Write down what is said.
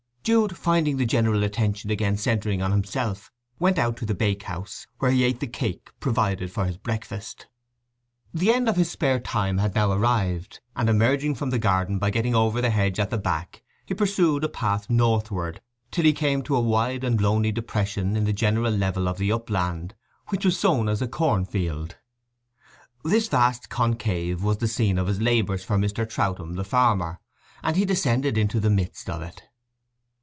Jude, finding the general attention again centering on himself, went out to the bakehouse, where he ate the cake provided for his breakfast. The end of his spare time had now arrived, and emerging from the garden by getting over the hedge at the back he pursued a path northward, till he came to a wide and lonely depression in the general level of the upland, which was sown as a corn field. This vast concave was the scene of his labours for Mr. Troutham the farmer, and he descended into the midst of it.